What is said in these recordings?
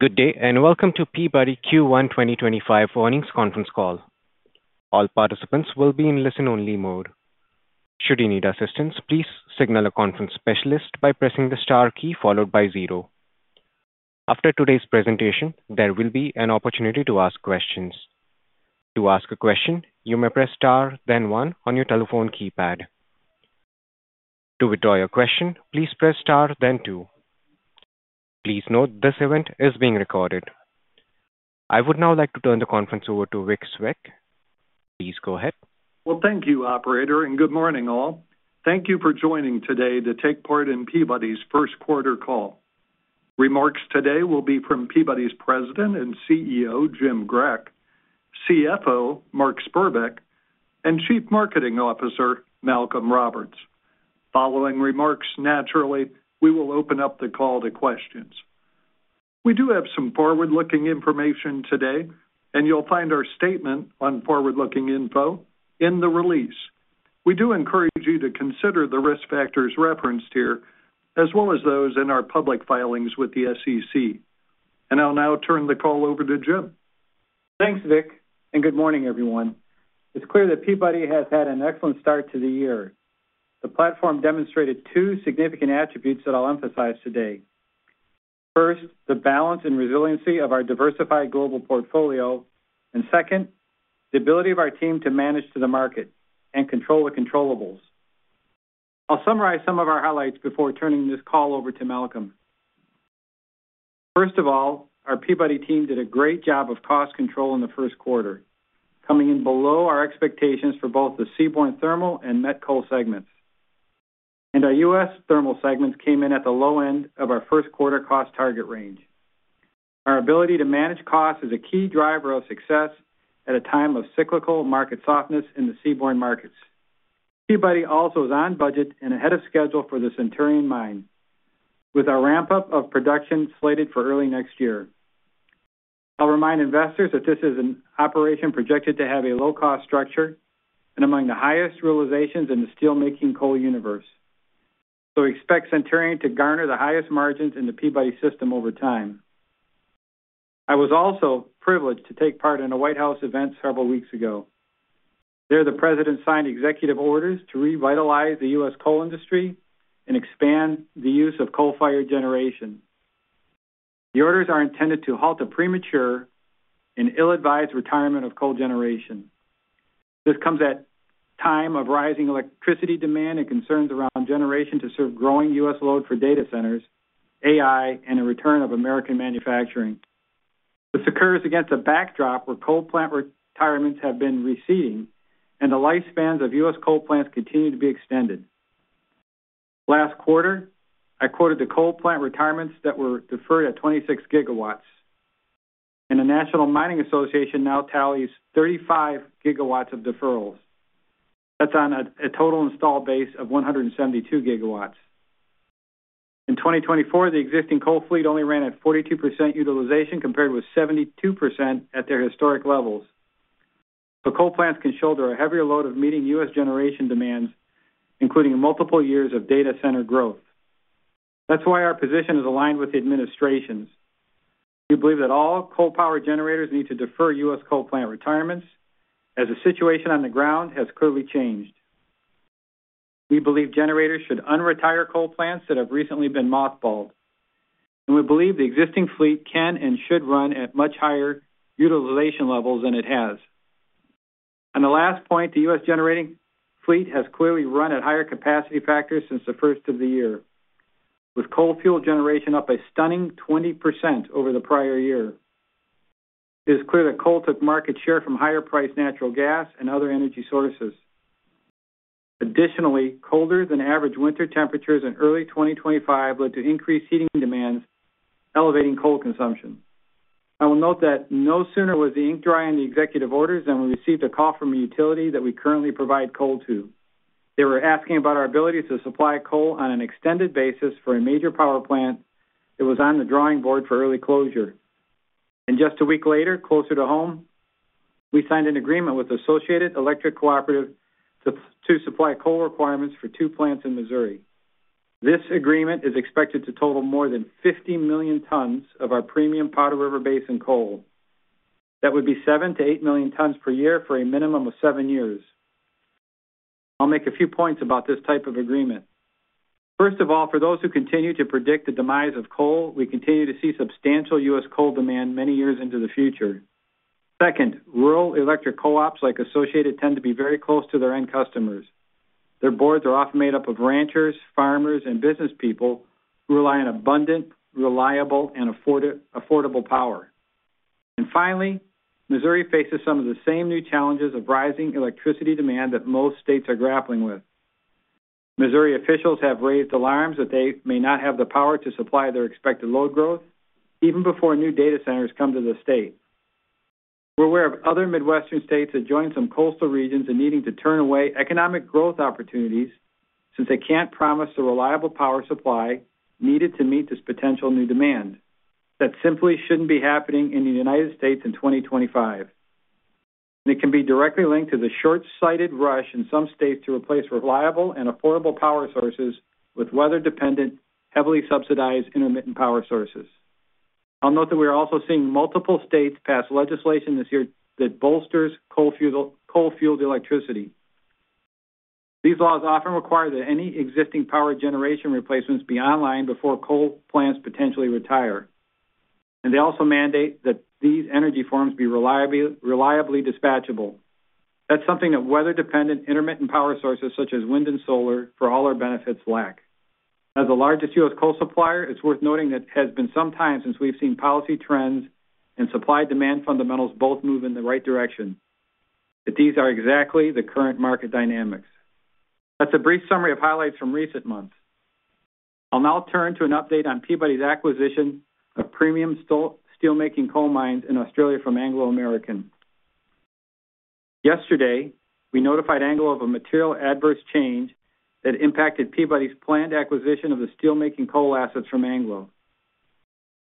Good day, and welcome to Peabody Q1 2025 Earnings Conference Call. All participants will be in listen-only mode. Should you need assistance, please signal a conference specialist by pressing the star key followed by zero. After today's presentation, there will be an opportunity to ask questions. To ask a question, you may press star, then one, on your telephone keypad. To withdraw your question, please press star, then two. Please note this event is being recorded. I would now like to turn the conference over to Vic Svec. Please go ahead. Thank you, Operator, and good morning, all. Thank you for joining today to take part in Peabody's first quarter call. Remarks today will be from Peabody's President and CEO, Jim Grech, CFO, Mark Spurbeck, and Chief Marketing Officer, Malcolm Roberts. Following remarks, naturally, we will open up the call to questions. We do have some forward-looking information today, and you will find our statement on forward-looking info in the release. We do encourage you to consider the risk factors referenced here, as well as those in our public filings with the SEC. I will now turn the call over to Jim. Thanks, Vic, and good morning, everyone. It is clear that Peabody has had an excellent start to the year. The platform demonstrated two significant attributes that I will emphasize today. First, the balance and resiliency of our diversified global portfolio. Second, the ability of our team to manage to the market and control the controllables. I will summarize some of our highlights before turning this call over to Malcolm. First of all, our Peabody team did a great job of cost control in the first quarter, coming in below our expectations for both the seaborne thermal and met coal segments. Our U.S. thermal segments came in at the low end of our first quarter cost target range. Our ability to manage costs is a key driver of success at a time of cyclical market softness in the seaborne markets. Peabody also is on budget and ahead of schedule for the Centurion mine, with our ramp-up of production slated for early next year. I'll remind investors that this is an operation projected to have a low-cost structure and among the highest realizations in the steelmaking coal universe. Expect Centurion to garner the highest margins in the Peabody system over time. I was also privileged to take part in a White House event several weeks ago. There, the President signed executive orders to revitalize the U.S. coal industry and expand the use of coal-fired generation. The orders are intended to halt a premature and ill-advised retirement of coal generation. This comes at a time of rising electricity demand and concerns around generation to serve growing U.S. load for data centers, AI, and a return of American manufacturing. This occurs against a backdrop where coal plant retirements have been receding, and the lifespans of U.S. coal plants continue to be extended. Last quarter, I quoted the coal plant retirements that were deferred at 26 GW. The National Mining Association now tallies 35 GW of deferrals. That is on a total install base of 172 GW. In 2024, the existing coal fleet only ran at 42% utilization compared with 72% at their historic levels. Coal plants can shoulder a heavier load of meeting U.S. generation demands, including multiple years of data center growth. That is why our position is aligned with the administrations. We believe that all coal-powered generators need to defer U.S. coal plant retirements, as the situation on the ground has clearly changed. We believe generators should unretire coal plants that have recently been mothballed. We believe the existing fleet can and should run at much higher utilization levels than it has. On the last point, the U.S. generating fleet has clearly run at higher capacity factors since the first of the year, with coal fuel generation up a stunning 20% over the prior year. It is clear that coal took market share from higher-priced natural gas and other energy sources. Additionally, colder than average winter temperatures in early 2025 led to increased heating demands, elevating coal consumption. I will note that no sooner was the ink dry on the executive orders than we received a call from a utility that we currently provide coal to. They were asking about our ability to supply coal on an extended basis for a major power plant that was on the drawing board for early closure. Just a week later, closer to home, we signed an agreement with Associated Electric Cooperative to supply coal requirements for two plants in Missouri. This agreement is expected to total more than 50 million tons of our premium Powder River Basin coal. That would be 7 million-8 million tons per year for a minimum of seven years. I'll make a few points about this type of agreement. First of all, for those who continue to predict the demise of coal, we continue to see substantial U.S. coal demand many years into the future. Second, rural electric co-ops like Associated tend to be very close to their end customers. Their boards are often made up of ranchers, farmers, and business people who rely on abundant, reliable, and affordable power. Finally, Missouri faces some of the same new challenges of rising electricity demand that most states are grappling with. Missouri officials have raised alarms that they may not have the power to supply their expected load growth even before new data centers come to the state. We are aware of other Midwestern States that join some Coastal Regions in needing to turn away economic growth opportunities since they cannot promise the reliable power supply needed to meet this potential new demand. That simply should not be happening in the United States in 2025. It can be directly linked to the short-sighted rush in some states to replace reliable and affordable power sources with weather-dependent, heavily subsidized intermittent power sources. I will note that we are also seeing multiple states pass legislation this year that bolsters coal-fueled electricity. These laws often require that any existing power generation replacements be online before coal plants potentially retire. They also mandate that these energy forms be reliably dispatchable. That's something that weather-dependent intermittent power sources such as wind and solar, for all our benefits, lack. As the largest U.S. coal supplier, it's worth noting that it has been some time since we've seen policy trends and supply-demand fundamentals both move in the right direction. These are exactly the current market dynamics. That's a brief summary of highlights from recent months. I'll now turn to an update on Peabody's acquisition of premium steelmaking coal mines in Australia from Anglo American. Yesterday, we notified Anglo American of a material adverse change that impacted Peabody's planned acquisition of the steelmaking coal assets from Anglo American.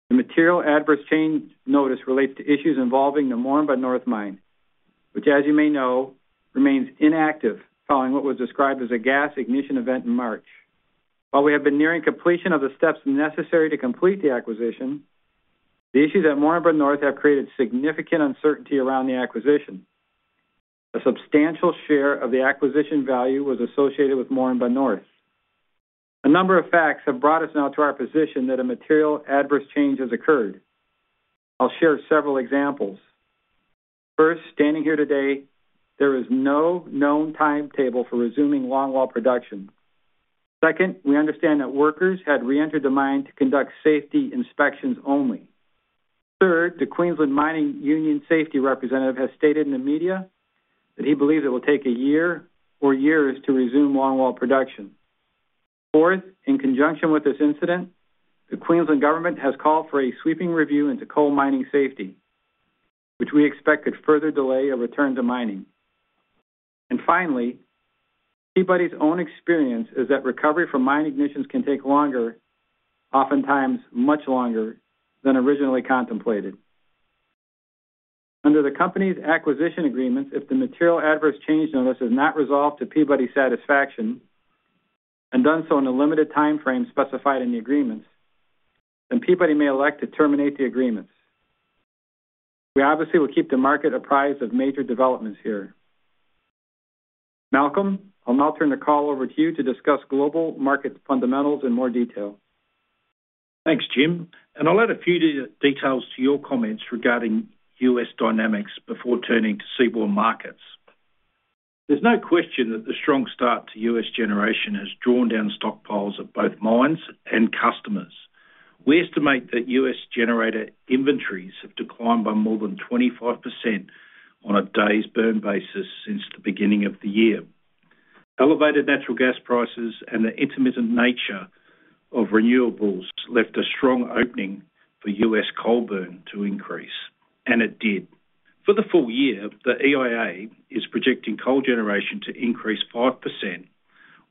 The material adverse change notice relates to issues involving the Moranbah North mine, which, as you may know, remains inactive following what was described as a gas ignition event in March. While we have been nearing completion of the steps necessary to complete the acquisition, the issues at Moranbah North have created significant uncertainty around the acquisition. A substantial share of the acquisition value was associated with Moranbah North. A number of facts have brought us now to our position that a material adverse change has occurred. I'll share several examples. First, standing here today, there is no known timetable for resuming longwall production. Second, we understand that workers had reentered the mine to conduct safety inspections only. Third, the Queensland Mining Union safety representative has stated in the media that he believes it will take a year or years to resume longwall production. Fourth, in conjunction with this incident, the Queensland government has called for a sweeping review into coal mining safety, which we expect could further delay a return to mining. Peabody's own experience is that recovery from mine ignitions can take longer, oftentimes much longer, than originally contemplated. Under the company's acquisition agreements, if the material adverse change notice is not resolved to Peabody's satisfaction and done so in a limited timeframe specified in the agreements, Peabody may elect to terminate the agreements. We obviously will keep the market apprised of major developments here. Malcolm, I'll now turn the call over to you to discuss global market fundamentals in more detail. Thanks, Jim. I'll add a few details to your comments regarding U.S. dynamics before turning to seaborne markets. There's no question that the strong start to U.S. generation has drawn down stockpiles of both mines and customers. We estimate that U.S. generator inventories have declined by more than 25% on a day's burn basis since the beginning of the year. Elevated natural gas prices and the intermittent nature of renewables left a strong opening for U.S. coal burn to increase, and it did. For the full year, the EIA is projecting coal generation to increase 5%,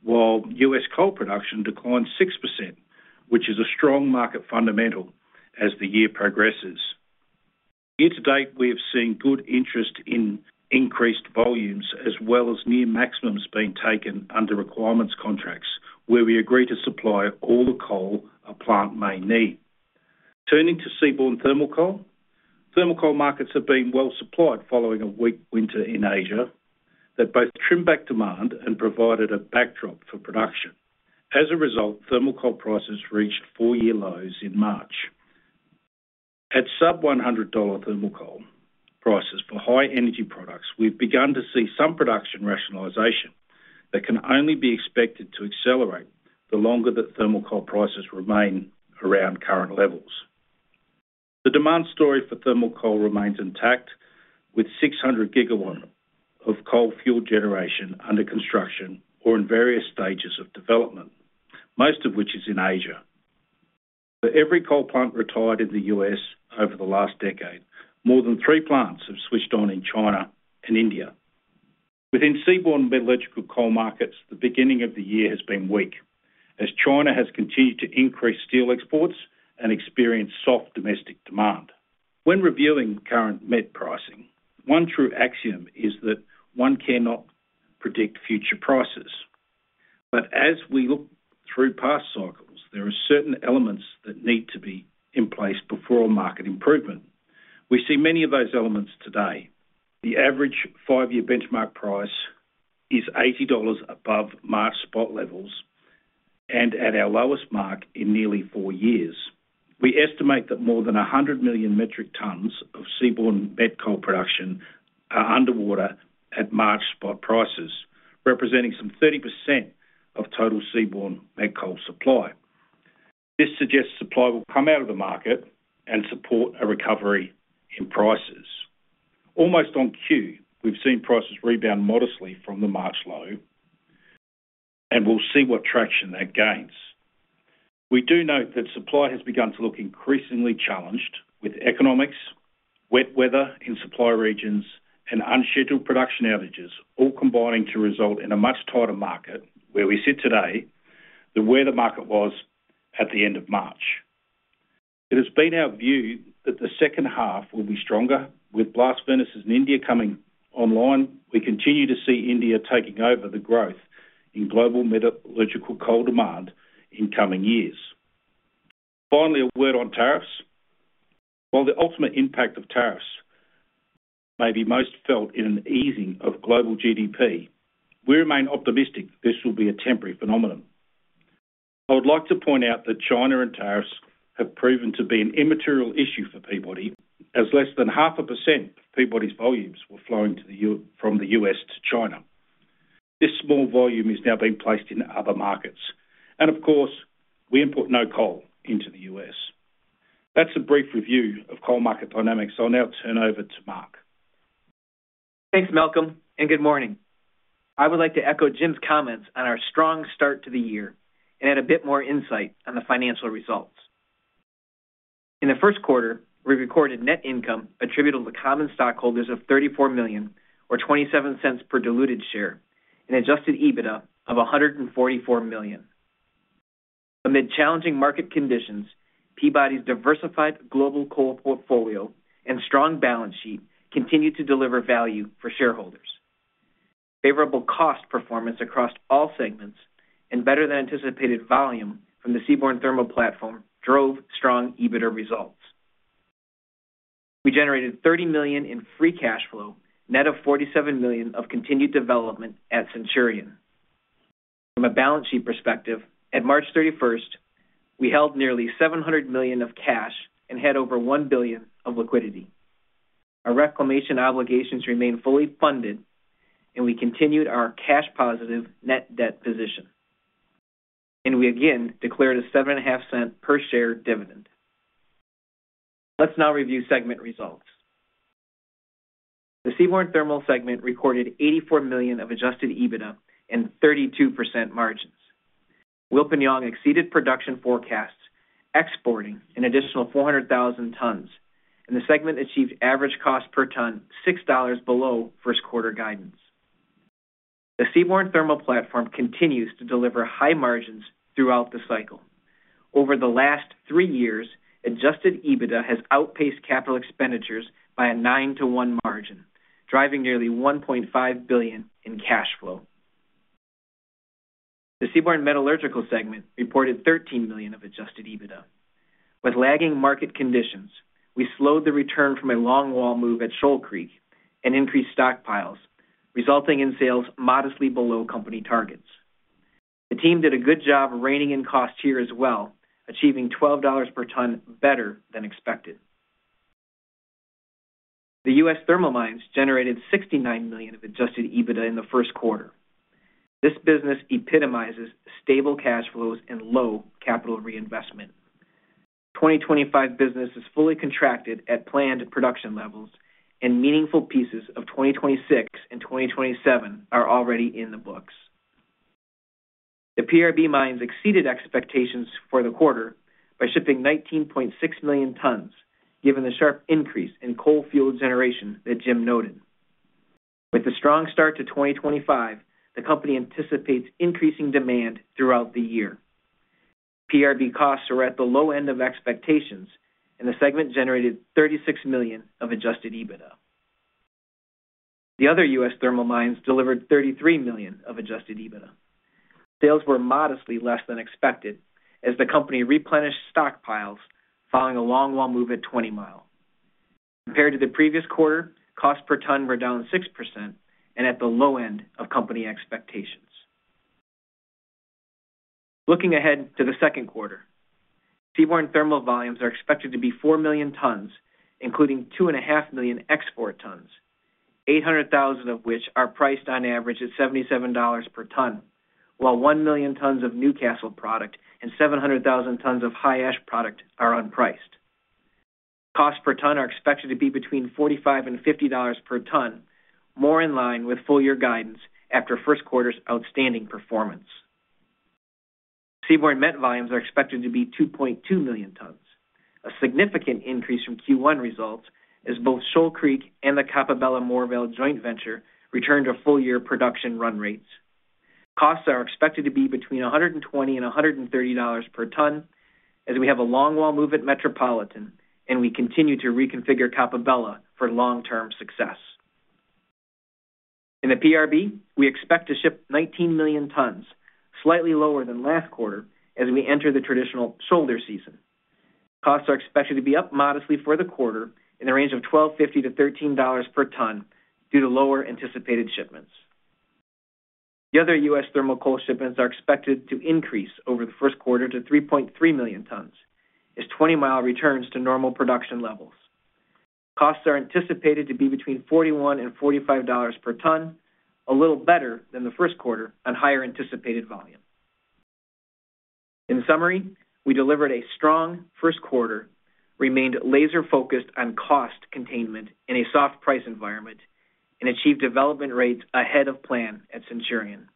while U.S. coal production declined 6%, which is a strong market fundamental as the year progresses. Year to date, we have seen good interest in increased volumes, as well as near maximums being taken under requirements contracts where we agree to supply all the coal a plant may need. Turning to seaborne thermal coal, thermal coal markets have been well supplied following a weak winter in Asia that both trimmed back demand and provided a backdrop for production. As a result, thermal coal prices reached four-year lows in March. At sub-$100 thermal coal prices for high-energy products, we've begun to see some production rationalization that can only be expected to accelerate the longer that thermal coal prices remain around current levels. The demand story for thermal coal remains intact, with 600 GW of coal-fueled generation under construction or in various stages of development, most of which is in Asia. For every coal plant retired in the U.S. over the last decade, more than three plants have switched on in China and India. Within seaborne metallurgical coal markets, the beginning of the year has been weak, as China has continued to increase steel exports and experience soft domestic demand. When reviewing current met pricing, one true axiom is that one cannot predict future prices. As we look through past cycles, there are certain elements that need to be in place before a market improvement. We see many of those elements today. The average five-year benchmark price is $80 above mark spot levels and at our lowest mark in nearly four years. We estimate that more than 100 million metric tons of seaborne met coal production are underwater at mark spot prices, representing some 30% of total seaborne met coal supply. This suggests supply will come out of the market and support a recovery in prices. Almost on cue, we've seen prices rebound modestly from the March low, and we'll see what traction that gains. We do note that supply has begun to look increasingly challenged, with economics, wet weather in supply regions, and unscheduled production outages all combining to result in a much tighter market where we sit today than where the market was at the end of March. It has been our view that the second half will be stronger, with blast furnaces in India coming online. We continue to see India taking over the growth in global metallurgical coal demand in coming years. Finally, a word on tariffs. While the ultimate impact of tariffs may be most felt in an easing of global GDP, we remain optimistic this will be a temporary phenomenon. I would like to point out that China and tariffs have proven to be an immaterial issue for Peabody, as less than 0.5% of Peabody's volumes were flowing from the U.S. to China. This small volume is now being placed in other markets. Of course, we import no coal into the U.S. That's a brief review of coal market dynamics. I'll now turn over to Mark. Thanks, Malcolm, and good morning. I would like to echo Jim's comments on our strong start to the year and add a bit more insight on the financial results. In the first quarter, we recorded net income attributable to common stockholders of $34 million, or $0.27 per diluted share, and adjusted EBITDA of $144 million. Amid challenging market conditions, Peabody's diversified global coal portfolio and strong balance sheet continued to deliver value for shareholders. Favorable cost performance across all segments and better-than-anticipated volume from the seaborne thermal platform drove strong EBITDA results. We generated $30 million in free cash flow, net of $47 million of continued development at Centurion. From a balance sheet perspective, at March 31, we held nearly $700 million of cash and had over $1 billion of liquidity. Our reclamation obligations remain fully funded, and we continued our cash-positive net debt position. We again declared a $0.075 per share dividend. Let's now review segment results. The seaborne thermal segment recorded $84 million of adjusted EBITDA and 32% margins. Wilpinjong exceeded production forecasts, exporting an additional 400,000 tons, and the segment achieved average cost per ton $6 below first-quarter guidance. The seaborne thermal platform continues to deliver high margins throughout the cycle. Over the last three years, adjusted EBITDA has outpaced capital expenditures by a 9 to 1 margin, driving nearly $1.5 billion in cash flow. The seaborne metallurgical segment reported $13 million of adjusted EBITDA. With lagging market conditions, we slowed the return from a longwall move at Shoal Creek and increased stockpiles, resulting in sales modestly below company targets. The team did a good job of reining in costs here as well, achieving $12 per ton better than expected. The U.S. thermal mines generated $69 million of adjusted EBITDA in the first quarter. This business epitomizes stable cash flows and low capital reinvestment. 2025 business is fully contracted at planned production levels, and meaningful pieces of 2026 and 2027 are already in the books. The PRB mines exceeded expectations for the quarter by shipping 19.6 million tons, given the sharp increase in coal fuel generation that Jim noted. With the strong start to 2025, the company anticipates increasing demand throughout the year. PRB costs are at the low end of expectations, and the segment generated $36 million of adjusted EBITDA. The other U.S. thermal mines delivered $33 million of adjusted EBITDA. Sales were modestly less than expected as the company replenished stockpiles following a long-haul move at 20-mile. Compared to the previous quarter, costs per ton were down 6% and at the low end of company expectations. Looking ahead to the second quarter, seaborne thermal volumes are expected to be 4 million tons, including 2.5 million export tons, 800,000 of which are priced on average at $77 per ton, while 1 million tons of Newcastle product and 700,000 tons of high-ash product are unpriced. Costs per ton are expected to be between $45-$50 per ton, more in line with full-year guidance after first quarter's outstanding performance. Seaborne met volumes are expected to be 2.2 million tons, a significant increase from Q1 results as both Shoal Creek and the Coppabella Moorvale Joint Venture returned to full-year production run rates. Costs are expected to be between $120-$130 per ton as we have a long-haul move at Metropolitan and we continue to reconfigure Coppabella for long-term success. In the PRB, we expect to ship 19 million tons, slightly lower than last quarter as we enter the traditional shoulder season. Costs are expected to be up modestly for the quarter in the range of $12.50-$13 per ton due to lower anticipated shipments. The other U.S. thermal coal shipments are expected to increase over the first quarter to 3.3 million tons as 20-mile returns to normal production levels. Costs are anticipated to be between $41-$45 per ton, a little better than the first quarter on higher anticipated volume. In summary, we delivered a strong first quarter, remained laser-focused on cost containment in a soft price environment, and achieved development rates ahead of plan at Centurion.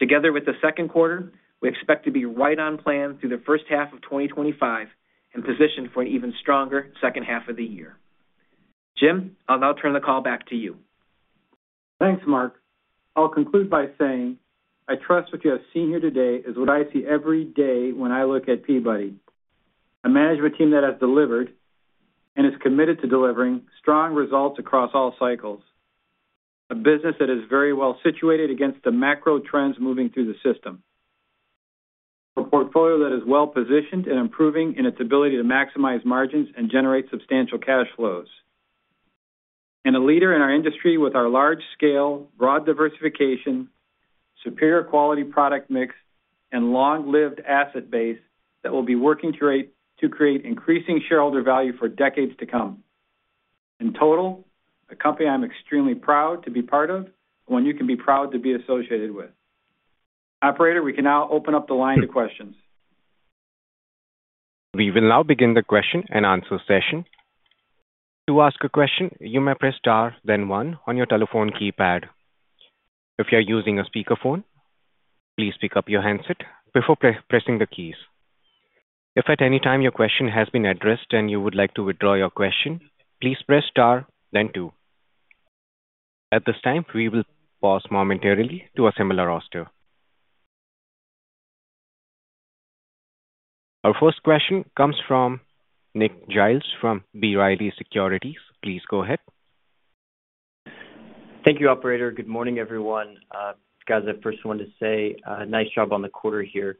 Together with the second quarter, we expect to be right on plan through the first half of 2025 and positioned for an even stronger second half of the year. Jim, I'll now turn the call back to you. Thanks, Mark. I'll conclude by saying I trust what you have seen here today is what I see every day when I look at Peabody, a management team that has delivered and is committed to delivering strong results across all cycles, a business that is very well situated against the macro trends moving through the system, a portfolio that is well positioned and improving in its ability to maximize margins and generate substantial cash flows, and a leader in our industry with our large-scale, broad diversification, superior quality product mix, and long-lived asset base that will be working to create increasing shareholder value for decades to come. In total, a company I'm extremely proud to be part of and one you can be proud to be associated with. Operator, we can now open up the line to questions. We will now begin the question and answer session. To ask a question, you may press star, then one on your telephone keypad. If you're using a speakerphone, please pick up your handset before pressing the keys. If at any time your question has been addressed and you would like to withdraw your question, please press star, then two. At this time, we will pause momentarily to assemble our roster. Our first question comes from Nick Giles from B. Riley Securities. Please go ahead. Thank you, Operator. Good morning, everyone. Guys, I first wanted to say nice job on the quarter here.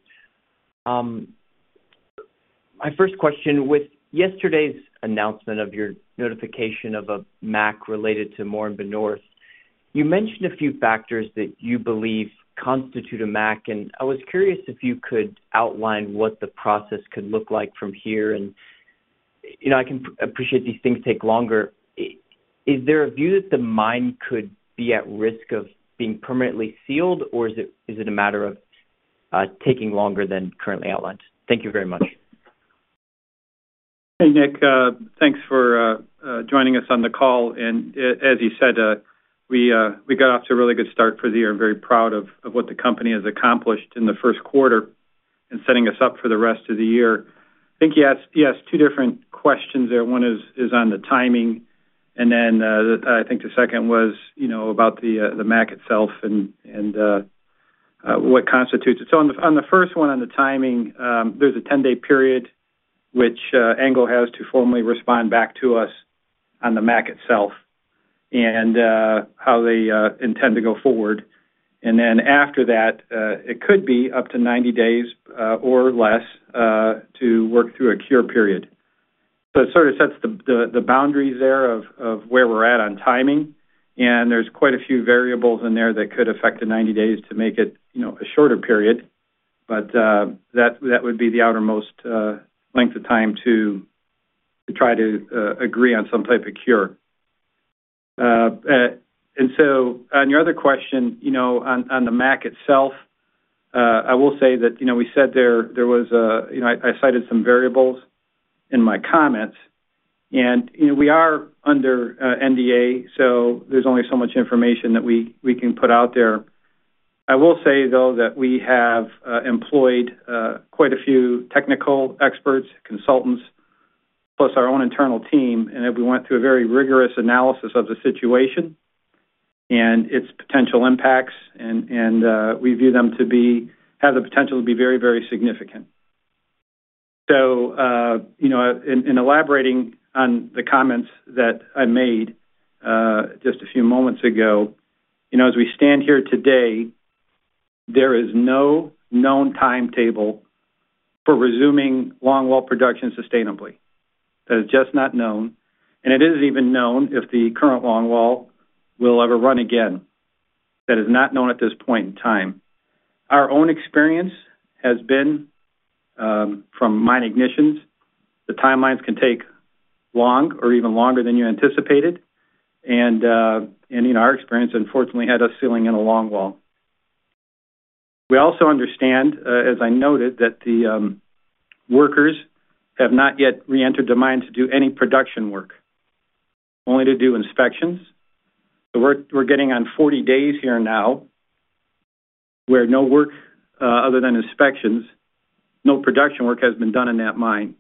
My first question, with yesterday's announcement of your notification of a MAC related to Moranbah North, you mentioned a few factors that you believe constitute a MAC, and I was curious if you could outline what the process could look like from here. I can appreciate these things take longer. Is there a view that the mine could be at risk of being permanently sealed, or is it a matter of taking longer than currently outlined? Thank you very much. Hey, Nick. Thanks for joining us on the call. As you said, we got off to a really good start for the year. I'm very proud of what the company has accomplished in the first quarter and setting us up for the rest of the year. I think you asked two different questions there. One is on the timing, and then I think the second was about the MAC itself and what constitutes it. On the first one, on the timing, there is a 10-day period which Anglo American has to formally respond back to us on the MAC itself and how they intend to go forward. After that, it could be up to 90 days or less to work through a cure period. It sort of sets the boundaries there of where we're at on timing, and there's quite a few variables in there that could affect the 90 days to make it a shorter period, but that would be the outermost length of time to try to agree on some type of cure. On your other question on the MAC itself, I will say that I cited some variables in my comments, and we are under NDA, so there's only so much information that we can put out there. I will say, though, that we have employed quite a few technical experts, consultants, plus our own internal team, and we went through a very rigorous analysis of the situation and its potential impacts, and we view them to have the potential to be very, very significant. In elaborating on the comments that I made just a few moments ago, as we stand here today, there is no known timetable for resuming longwall production sustainably. That is just not known. It is not even known if the current longwall will ever run again. That is not known at this point in time. Our own experience has been from mine ignitions. The timelines can take long or even longer than you anticipated, and our experience, unfortunately, had us sealing in a longwall. We also understand, as I noted, that the workers have not yet reentered the mine to do any production work, only to do inspections. We are getting on 40 days here now where no work other than inspections, no production work has been done in that mine.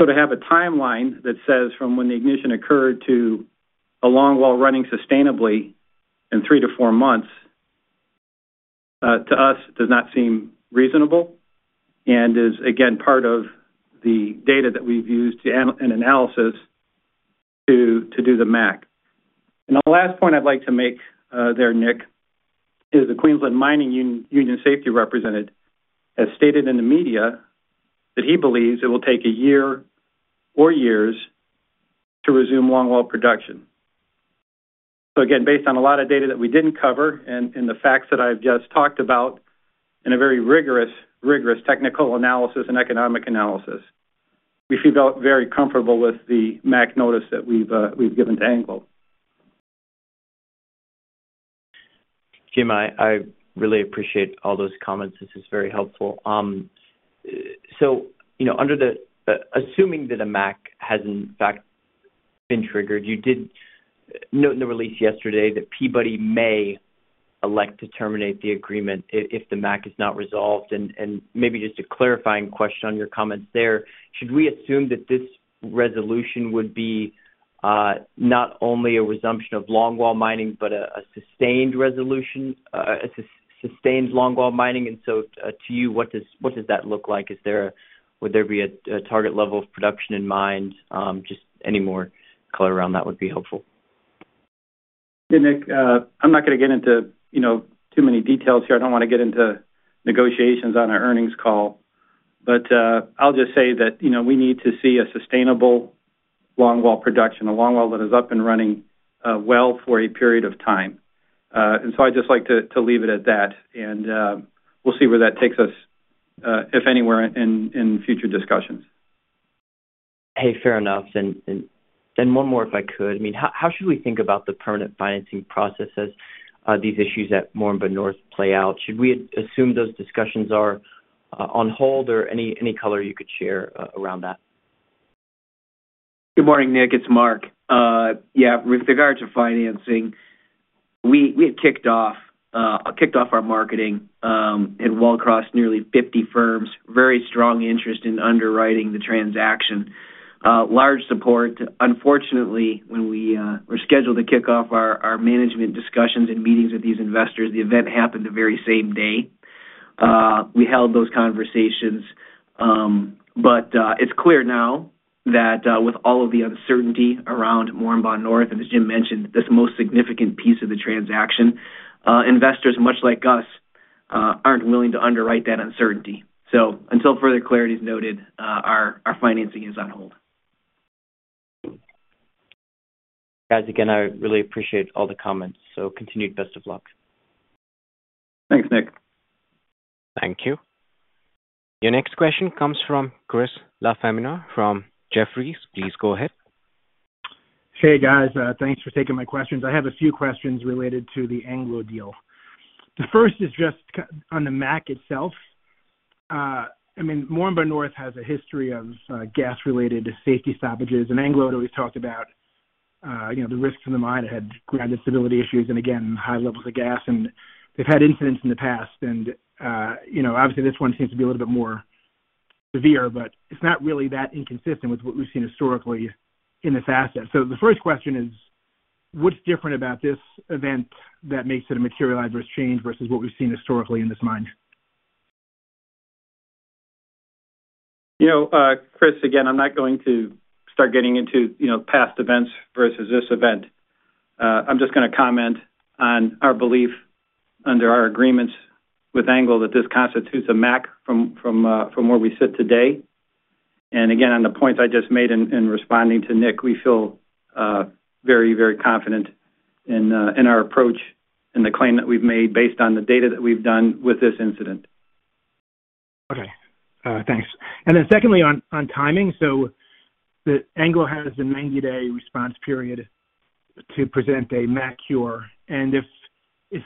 To have a timeline that says from when the ignition occurred to a longwall running sustainably in three to four months, to us, does not seem reasonable and is, again, part of the data that we've used in analysis to do the MAC. The last point I'd like to make there, Nick, is the Queensland Mining Union safety representative has stated in the media that he believes it will take a year or years to resume longwall production. Again, based on a lot of data that we didn't cover and the facts that I've just talked about and a very rigorous technical analysis and economic analysis, we feel very comfortable with the MAC notice that we've given to Anglo American. Jim, I really appreciate all those comments. This is very helpful. Assuming that a MAC has in fact been triggered, you did note in the release yesterday that Peabody may elect to terminate the agreement if the MAC is not resolved. Maybe just a clarifying question on your comments there, should we assume that this resolution would be not only a resumption of longwall mining but a sustained longwall mining? To you, what does that look like? Would there be a target level of production in mind? Any more color around that would be helpful. Hey, Nick. I'm not going to get into too many details here. I don't want to get into negotiations on our earnings call, but I'll just say that we need to see a sustainable long-haul production, a long-haul that is up and running well for a period of time. I'd just like to leave it at that, and we'll see where that takes us, if anywhere, in future discussions. Hey, fair enough. And one more, if I could. I mean, how should we think about the permanent financing process as these issues at Moranbah North play out? Should we assume those discussions are on hold or any color you could share around that? Good morning, Nick. It's Mark. Yeah, with regard to financing, we had kicked off our marketing and, well, across nearly 50 firms, very strong interest in underwriting the transaction, large support. Unfortunately, when we were scheduled to kick off our management discussions and meetings with these investors, the event happened the very same day. We held those conversations, but it's clear now that with all of the uncertainty around Moranbah North and, as Jim mentioned, this most significant piece of the transaction, investors, much like us, aren't willing to underwrite that uncertainty. Until further clarity is noted, our financing is on hold. Guys, again, I really appreciate all the comments, so continued best of luck. Thanks, Nick. Thank you. Your next question comes from Chris LaFemina from Jefferies. Please go ahead. Hey, guys. Thanks for taking my questions. I have a few questions related to the Anglo American deal. The first is just on the MAC itself. I mean, Moranbah North has a history of gas-related safety stoppages, and Anglo had always talked about the risks in the mine. It had ground instability issues and, again, high levels of gas, and they've had incidents in the past. Obviously, this one seems to be a little bit more severe, but it's not really that inconsistent with what we've seen historically in this asset. The first question is, what's different about this event that makes it a materialized risk change versus what we've seen historically in this mine? Chris, again, I'm not going to start getting into past events versus this event. I'm just going to comment on our belief under our agreements with Anglo that this constitutes a MAC from where we sit today. Again, on the points I just made in responding to Nick, we feel very, very confident in our approach and the claim that we've made based on the data that we've done with this incident. Okay. Thanks. Then secondly, on timing, so Anglo American has a 90-day response period to present a MAC cure. If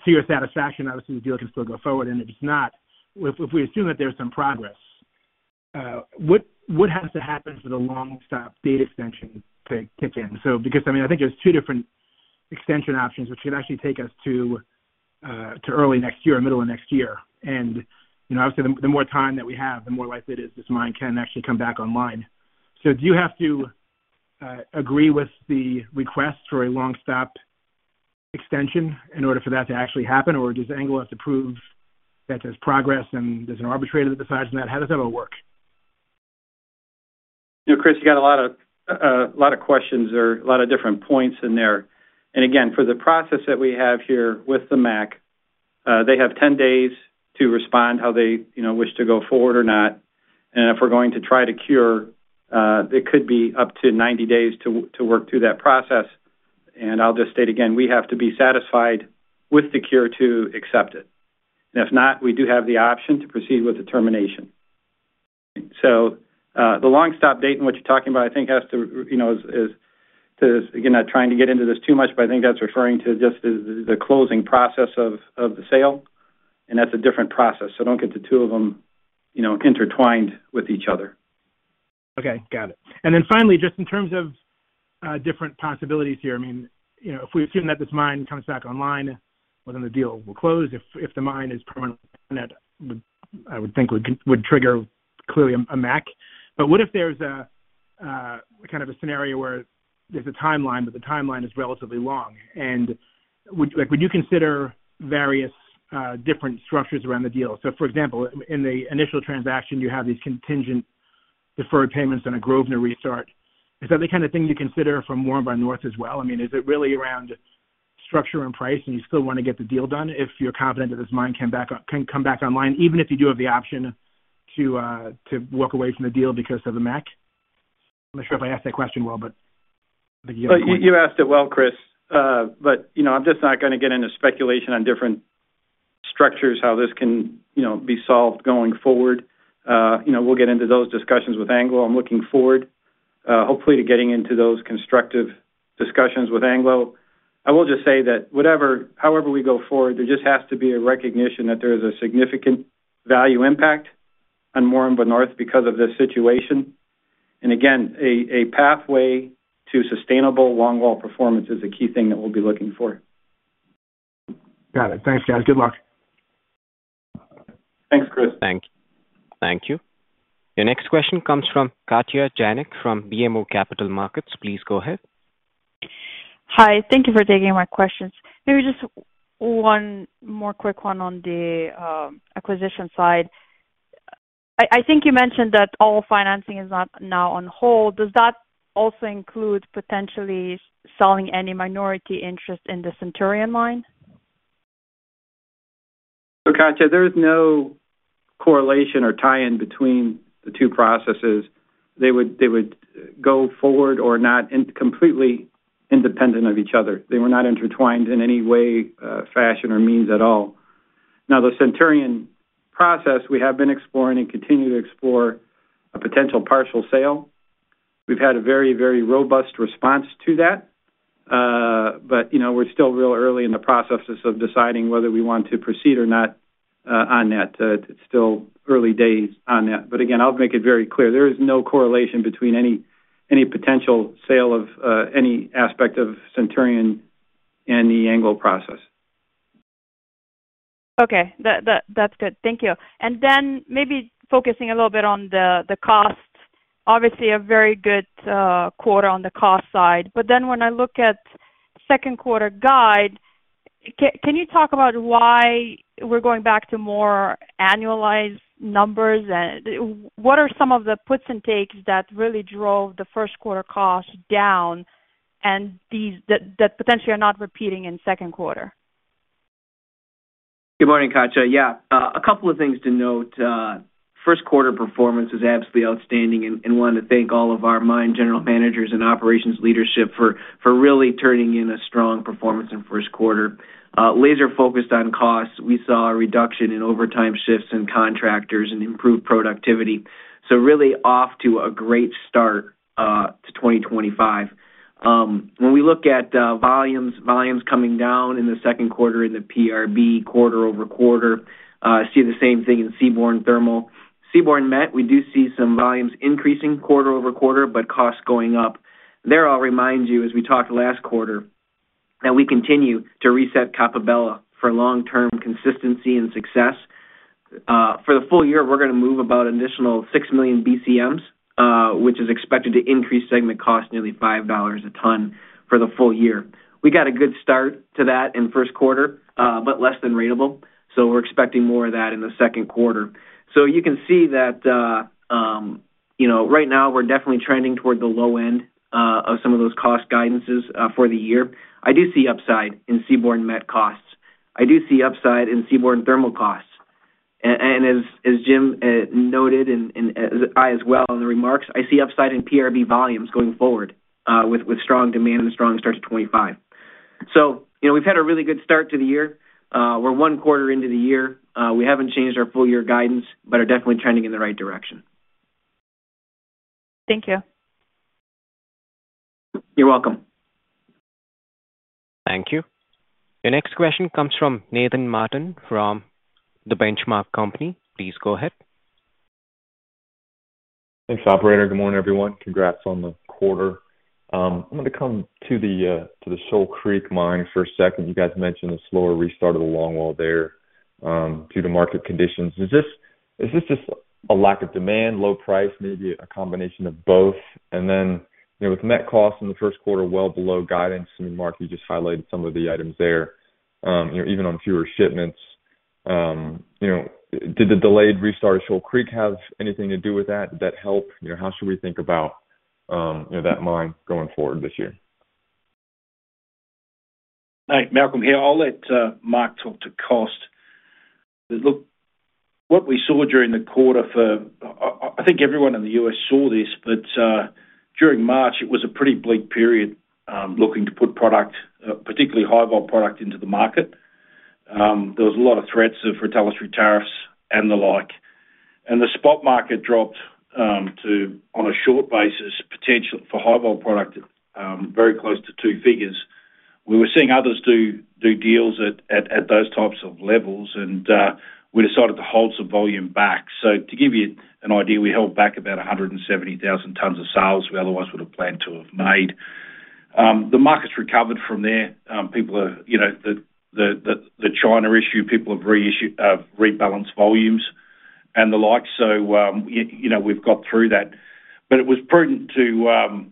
to your satisfaction, obviously, the deal can still go forward, and if it's not, if we assume that there's some progress, what has to happen for the long-stop date extension to kick in? I mean, I think there's two different extension options, which can actually take us to early next year or middle of next year. Obviously, the more time that we have, the more likely it is this mine can actually come back online. Do you have to agree with the request for a long-stop extension in order for that to actually happen, or does Anglo have to prove that there's progress and there's an arbitrator that decides on that? How does that all work? Chris, you got a lot of questions or a lot of different points in there. Again, for the process that we have here with the MAC, they have 10 days to respond how they wish to go forward or not. If we're going to try to cure, it could be up to 90 days to work through that process. I'll just state again, we have to be satisfied with the cure to accept it. If not, we do have the option to proceed with the termination. The long-stop date and what you're talking about, I think, has to—again, not trying to get into this too much, but I think that's referring to just the closing process of the sale, and that's a different process. Do not get the two of them intertwined with each other. Okay. Got it. Finally, just in terms of different possibilities here, I mean, if we assume that this mine comes back online, the deal will close. If the mine is permanent, I would think would trigger clearly a MAC. What if there is kind of a scenario where there is a timeline, but the timeline is relatively long? Would you consider various different structures around the deal? For example, in the initial transaction, you have these contingent deferred payments on a Grosvenor restart. Is that the kind of thing you consider for Moranbah North as well? I mean, is it really around structure and price, and you still want to get the deal done if you are confident that this mine can come back online, even if you do have the option to walk away from the deal because of the MAC? I'm not sure if I asked that question well. You asked it well, Chris, but I'm just not going to get into speculation on different structures, how this can be solved going forward. We'll get into those discussions with Anglo. I'm looking forward, hopefully, to getting into those constructive discussions with Anglo. I will just say that however we go forward, there just has to be a recognition that there is a significant value impact on Moranbah North because of this situation. Again, a pathway to sustainable longwall performance is a key thing that we'll be looking for. Got it. Thanks, guys. Good luck. Thanks, Chris. Thank you. Your next question comes from Katja Jancic from BMO Capital Markets. Please go ahead. Hi. Thank you for taking my questions. Maybe just one more quick one on the acquisition side. I think you mentioned that all financing is now on hold. Does that also include potentially selling any minority interest in the Centurion mine? Katja, there is no correlation or tie-in between the two processes. They would go forward or not completely independent of each other. They were not intertwined in any way, fashion, or means at all. Now, the Centurion process, we have been exploring and continue to explore a potential partial sale. We've had a very, very robust response to that, but we're still real early in the processes of deciding whether we want to proceed or not on that. It's still early days on that. Again, I'll make it very clear. There is no correlation between any potential sale of any aspect of Centurion and the Anglo American process. Okay. That's good. Thank you. Maybe focusing a little bit on the cost. Obviously, a very good quarter on the cost side. When I look at second quarter guide, can you talk about why we're going back to more annualized numbers? What are some of the puts and takes that really drove the first quarter cost down and that potentially are not repeating in second quarter? Good morning, Katja. Yeah, a couple of things to note. First quarter performance was absolutely outstanding, and I want to thank all of our mine general managers and operations leadership for really turning in a strong performance in first quarter. Laser-focused on costs, we saw a reduction in overtime shifts and contractors and improved productivity. Really off to a great start to 2025. When we look at volumes, volumes coming down in the second quarter in the PRB, quarter-over-quarter. I see the same thing in seaborne thermal. Seaborne met, we do see some volumes increasing quarter-over-quarter, but costs going up. There I'll remind you, as we talked last quarter, that we continue to reset Coppabella for long-term consistency and success. For the full year, we're going to move about an additional 6 million BCMs, which is expected to increase segment cost nearly $5 a ton for the full year. We got a good start to that in first quarter, but less than ratable. We are expecting more of that in the second quarter. You can see that right now, we're definitely trending toward the low end of some of those cost guidances for the year. I do see upside in Seaborne Met costs. I do see upside in Seaborne Thermal costs. As Jim noted, and I as well in the remarks, I see upside in PRB volumes going forward with strong demand and strong start to 2025. We have had a really good start to the year. We're one quarter into the year. We haven't changed our full-year guidance, but are definitely trending in the right direction. Thank you. You're welcome. Thank you. Your next question comes from Nathan Martin from The Benchmark Company. Please go ahead. Thanks, operator. Good morning, everyone. Congrats on the quarter. I'm going to come to the Shoal Creek mine for a second. You guys mentioned a slower restart of the longwall there due to market conditions. Is this just a lack of demand, low price, maybe a combination of both? I mean, with met costs in the first quarter well below guidance. Mark, you just highlighted some of the items there, even on fewer shipments. Did the delayed restart of Shoal Creek have anything to do with that? Did that help? How should we think about that mine going forward this year? Hi, Malcolm here. I'll let Mark talk to cost. Look, what we saw during the quarter for I think everyone in the U.S. saw this, but during March, it was a pretty bleak period looking to put product, particularly high-volume product, into the market. There was a lot of threats of retaliatory tariffs and the like. The spot market dropped on a short basis potentially for high-volume product very close to two figures. We were seeing others do deals at those types of levels, and we decided to hold some volume back. To give you an idea, we held back about 170,000 tons of sales we otherwise would have planned to have made. The market's recovered from there. The China issue, people have rebalanced volumes and the like. We have got through that. It was prudent to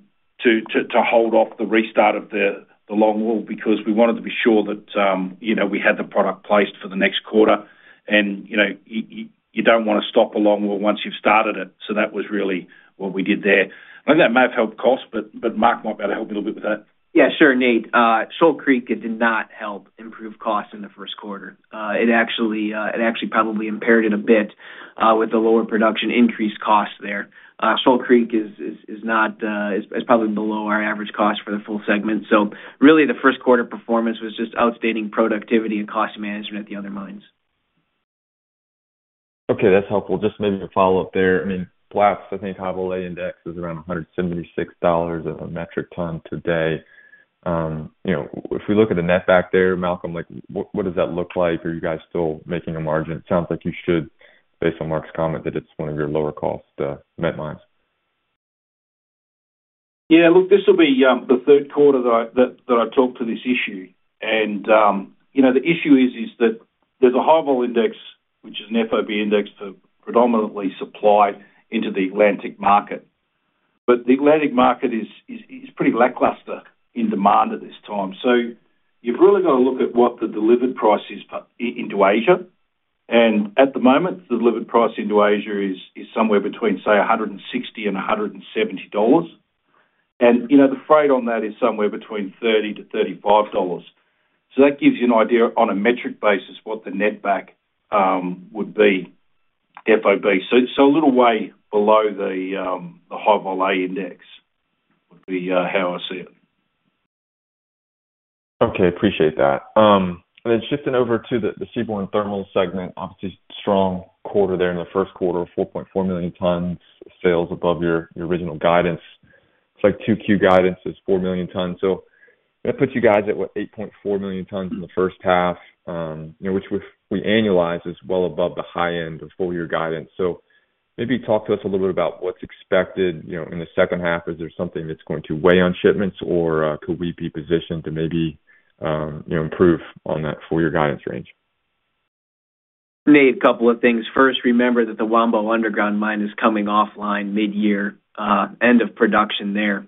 hold off the restart of the longwall because we wanted to be sure that we had the product placed for the next quarter. You do not want to stop a longwall once you have started it. That was really what we did there. I think that may have helped costs, but Mark might be able to help me a little bit with that. Yeah, sure, Nate. Shoal Creek did not help improve costs in the first quarter. It actually probably impaired it a bit with the lower production, increased costs there. Shoal Creek is probably below our average cost for the full segment. So really, the first quarter performance was just outstanding productivity and cost management at the other mines. Okay. That's helpful. Just maybe a follow-up there. I mean, Blast, I think, high-volume index is around $176 a metric ton today. If we look at the net back there, Malcolm, what does that look like? Are you guys still making a margin? It sounds like you should, based on Mark's comment, that it's one of your lower-cost met mines. Yeah. Look, this will be the third quarter that I talk to this issue. And the issue is that there's a high-volume index, which is an FOB index, predominantly supplied into the Atlantic market. But the Atlantic market is pretty lackluster in demand at this time. You have really got to look at what the delivered price is into Asia. At the moment, the delivered price into Asia is somewhere between, say, $160 and $170. The freight on that is somewhere between $30-$35. That gives you an idea on a metric basis what the net back would be, FOB. A little way below the high-volume index would be how I see it. Okay. Appreciate that. Then shifting over to the seaborne thermal segment, obviously, strong quarter there in the first quarter, 4.4 million tons of sales above your original guidance. It is like 2Q guidance is 4 million tons. That puts you guys at, what, 8.4 million tons in the first half, which we annualize is well above the high end of full-year guidance. Maybe talk to us a little bit about what is expected in the second half. Is there something that is going to weigh on shipments, or could we be positioned to maybe improve on that full-year guidance range? Nate, a couple of things. First, remember that the Wambo Underground mine is coming offline mid-year, end of production there.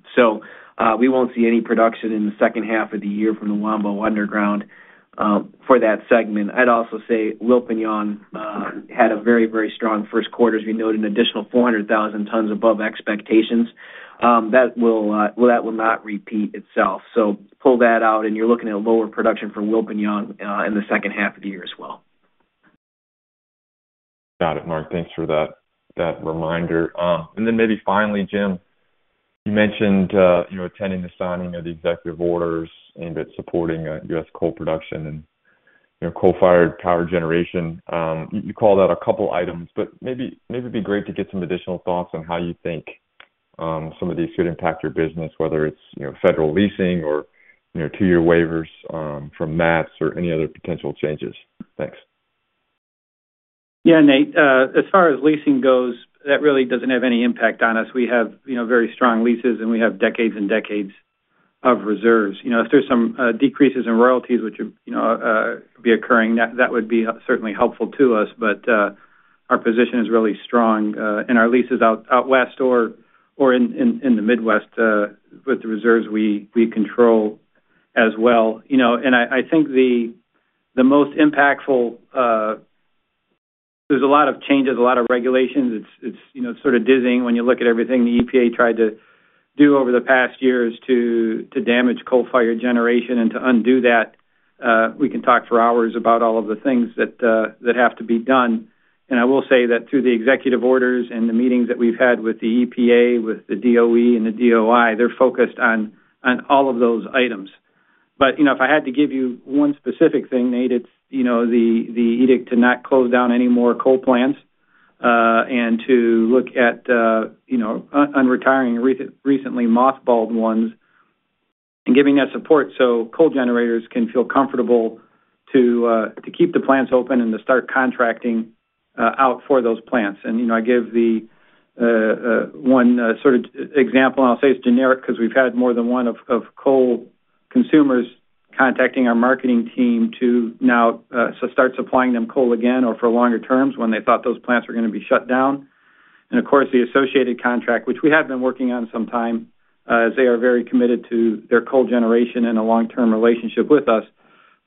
We will not see any production in the second half of the year from the Wambo Underground for that segment. I would also say Wilpinjong had a very, very strong first quarter. We noted an additional 400,000 tons above expectations. That will not repeat itself. Pull that out, and you are looking at lower production for Wilpinjong in the second half of the year as well. Got it. Mark, thanks for that reminder. Maybe finally, Jim, you mentioned attending the signing of the executive orders and supporting U.S. coal production and coal-fired power generation. You called out a couple of items, but maybe it'd be great to get some additional thoughts on how you think some of these could impact your business, whether it's federal leasing or two-year waivers from met or any other potential changes. Thanks. Yeah, Nate. As far as leasing goes, that really does not have any impact on us. We have very strong leases, and we have decades and decades of reserves. If there are some decreases in royalties, which would be occurring, that would be certainly helpful to us. Our position is really strong in our leases out west or in the Midwest with the reserves we control as well. I think the most impactful, there are a lot of changes, a lot of regulations. It is sort of dizzying when you look at everything the EPA tried to do over the past years to damage coal-fired generation and to undo that. We can talk for hours about all of the things that have to be done. I will say that through the executive orders and the meetings that we've had with the EPA, with the DOE, and the DOI, they're focused on all of those items. If I had to give you one specific thing, Nate, it's the edict to not close down any more coal plants and to look at unretiring recently mothballed ones and giving that support so coal generators can feel comfortable to keep the plants open and to start contracting out for those plants. I give the one sort of example, and I'll say it's generic because we've had more than one of coal consumers contacting our marketing team to now start supplying them coal again or for longer terms when they thought those plants were going to be shut down. Of course, the associated contract, which we have been working on some time, as they are very committed to their coal generation and a long-term relationship with us,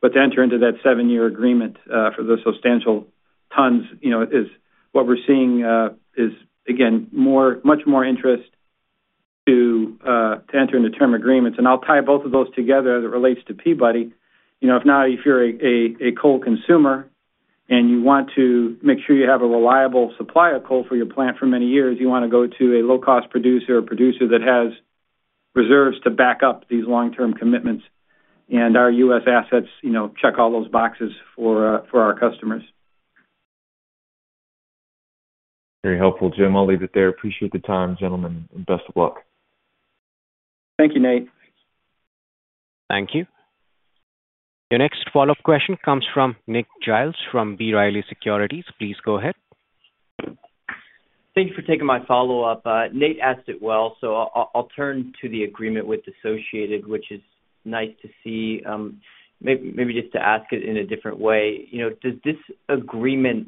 but to enter into that seven-year agreement for the substantial tons is what we're seeing is, again, much more interest to enter into term agreements. I'll tie both of those together as it relates to Peabody. If now, if you're a coal consumer and you want to make sure you have a reliable supply of coal for your plant for many years, you want to go to a low-cost producer or a producer that has reserves to back up these long-term commitments and our U.S. assets check all those boxes for our customers. Very helpful, Jim. I'll leave it there. Appreciate the time, gentlemen, and best of luck. Thank you, Nate. Thank you. Your next follow-up question comes from Nick Giles from B. Riley Securities. Please go ahead. Thank you for taking my follow-up. Nate asked it well, so I'll turn to the agreement with associated, which is nice to see. Maybe just to ask it in a different way, does this agreement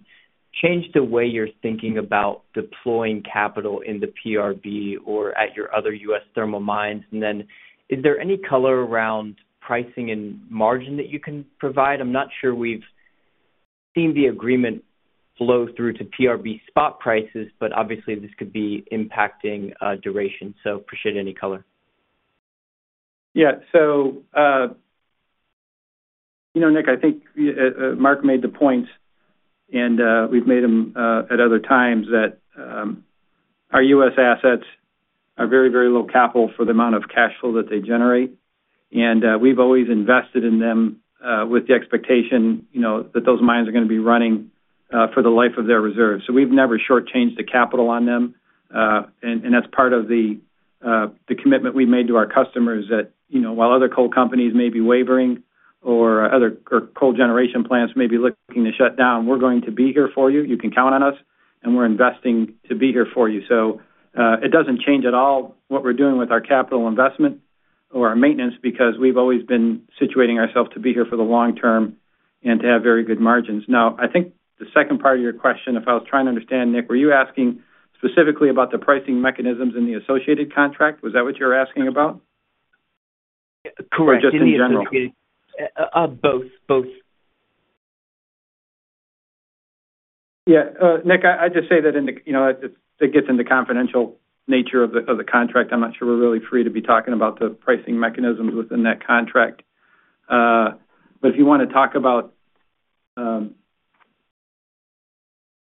change the way you're thinking about deploying capital in the PRB or at your other U.S. thermal mines? Is there any color around pricing and margin that you can provide? I'm not sure we've seen the agreement flow through to PRB spot prices, but obviously, this could be impacting duration. Appreciate any color. Yeah. Nick, I think Mark made the points, and we've made them at other times that our U.S. assets are very, very low capital for the amount of cash flow that they generate. We've always invested in them with the expectation that those mines are going to be running for the life of their reserves. We've never shortchanged the capital on them. That's part of the commitment we've made to our customers that while other coal companies may be wavering or coal generation plants may be looking to shut down, we're going to be here for you. You can count on us, and we're investing to be here for you. It doesn't change at all what we're doing with our capital investment or our maintenance because we've always been situating ourselves to be here for the long term and to have very good margins. I think the second part of your question, if I was trying to understand, Nick, were you asking specifically about the pricing mechanisms in the associated contract? Was that what you were asking about? Correct. Or just in general? Both. Both. Yeah. Nick, I just say that it gets into confidential nature of the contract. I'm not sure we're really free to be talking about the pricing mechanisms within that contract. If you want to talk about,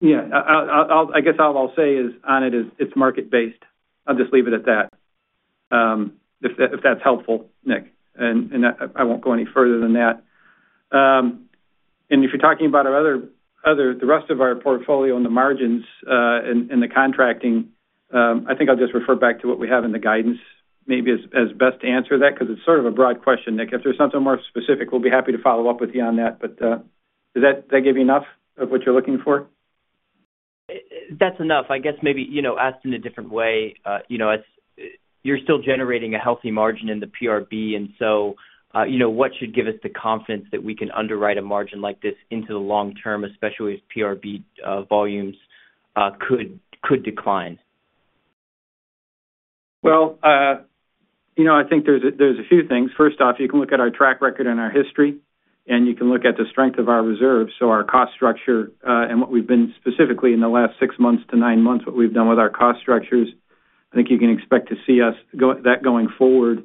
yeah, I guess all I'll say on it is it's market-based. I'll just leave it at that if that's helpful, Nick. I won't go any further than that. If you're talking about the rest of our portfolio and the margins and the contracting, I think I'll just refer back to what we have in the guidance maybe as best to answer that because it's sort of a broad question, Nick. If there's something more specific, we'll be happy to follow up with you on that. Does that give you enough of what you're looking for? That's enough. I guess maybe asked in a different way. You're still generating a healthy margin in the PRB, and what should give us the confidence that we can underwrite a margin like this into the long term, especially as PRB volumes could decline? I think there's a few things. First off, you can look at our track record and our history, and you can look at the strength of our reserves. Our cost structure and what we've been specifically in the last six months to nine months, what we've done with our cost structures, I think you can expect to see that going forward.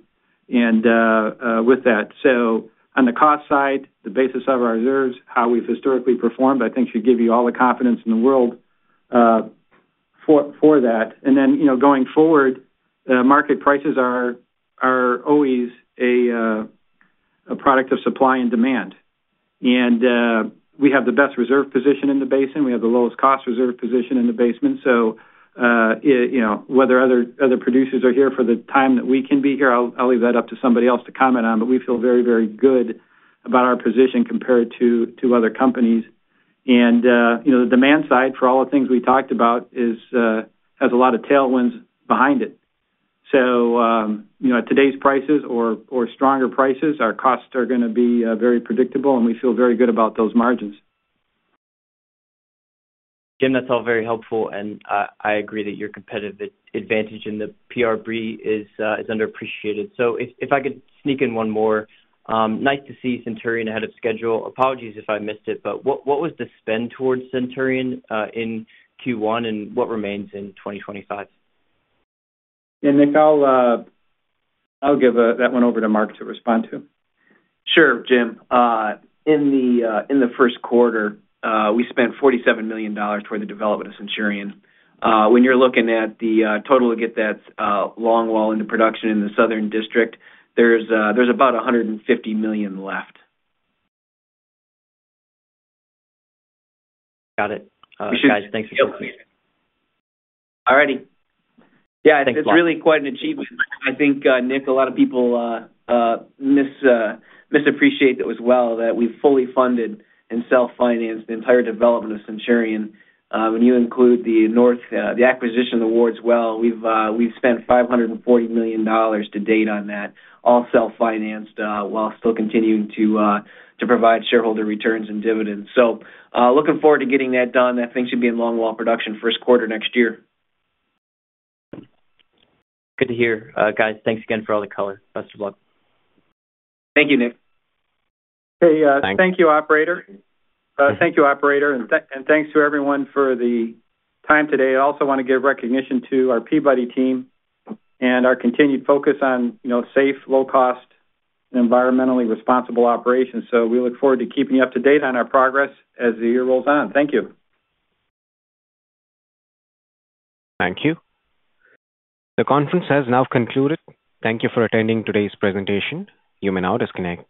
On the cost side, the basis of our reserves, how we've historically performed, I think should give you all the confidence in the world for that. Going forward, market prices are always a product of supply and demand. We have the best reserve position in the basin. We have the lowest cost reserve position in the basin. Whether other producers are here for the time that we can be here, I'll leave that up to somebody else to comment on. We feel very, very good about our position compared to other companies. The demand side for all the things we talked about has a lot of tailwinds behind it. At today's prices or stronger prices, our costs are going to be very predictable, and we feel very good about those margins. Jim, that's all very helpful. I agree that your competitive advantage in the PRB is underappreciated. If I could sneak in one more, nice to see Centurion ahead of schedule. Apologies if I missed it, but what was the spend towards Centurion in Q1, and what remains in 2025? Nick, I'll give that one over to Mark to respond to. Sure, Jim. In the first quarter, we spent $47 million toward the development of Centurion. When you're looking at the total to get that longwall into production in the southern district, there's about $150 million left. Got it. Thanks for sharing. All righty. Yeah, it's really quite an achievement. I think, Nick, a lot of people mis appreciate it as well that we've fully funded and self-financed the entire development of Centurion. When you include the acquisition as well, we've spent $540 million to date on that, all self-financed while still continuing to provide shareholder returns and dividends. Looking forward to getting that done. That thing should be in longwall production first quarter next year. Good to hear. Guys, thanks again for all the color. Best of luck. Thank you, Nick. Thank you, operator. Thank you, operator. Thank you to everyone for the time today. I also want to give recognition to our Peabody team and our continued focus on safe, low-cost, and environmentally responsible operations. We look forward to keeping you up to date on our progress as the year rolls on. Thank you. Thank you. The conference has now concluded. Thank you for attending today's presentation. You may now disconnect.